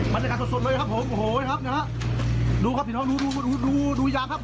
บรรยากาศสดเลยครับผมโอ้โหครับนะครับดูครับพี่น้องดูอย่างครับผม